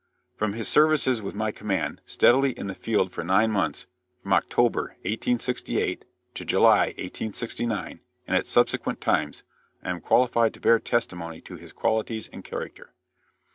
"From his services with my command, steadily in the field for nine months, from October, 1868, to July, 1869, and at subsequent times, I am qualified to bear testimony to his qualities and character.